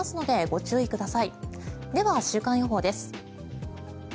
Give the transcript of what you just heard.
では、週間予報です。